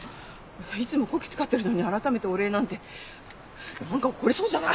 いつもこき使ってるのに改めてお礼なんて。なんか起こりそうじゃない。